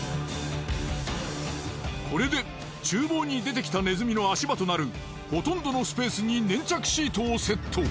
これで厨房に出てきたネズミの足場となるほとんどのスペースに粘着シートをセット。